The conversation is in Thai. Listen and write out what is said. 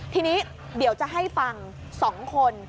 ทีนี้เดี๋ยวจะให้ฟัง๒คน